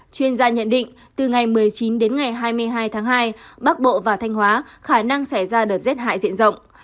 chuyên gia nhận định từ ngày một mươi chín đến ngày hai mươi hai tháng hai bắc bộ và thanh hóa khả năng xảy ra đợt rét hại diện rộng